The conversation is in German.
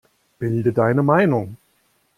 Bilde deine Meinung!